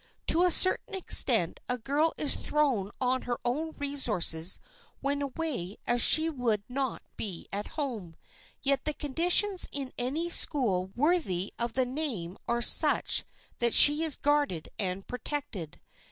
To a certain extent a girl is thrown on her own resources when away as she would not be at home, yet the conditions in any school worthy of the name are such that she is guarded and protected.